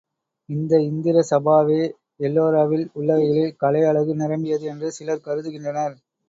இந்த இந்திர சபாவே எல்லோராவில் உள்ளவைகளில் கலை அழகு நிரம்பியது என்று சிலர் கருதுகின்றனர்.